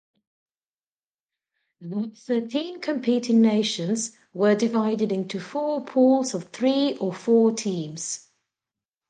The thirteen competing nations were divided into four pools of three or four teams.